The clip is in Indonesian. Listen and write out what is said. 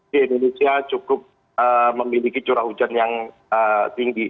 di indonesia cukup memiliki curah hujan yang tinggi